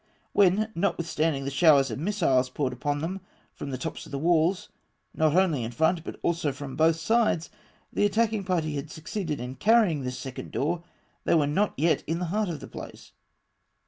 When, notwithstanding the showers of missiles poured upon them from the top of the walls, not only in front, but also from both sides, the attacking party had succeeded in carrying this second door, they were not yet in the heart of the place.